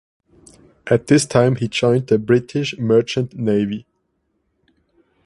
At this time he joined the British Merchant Navy.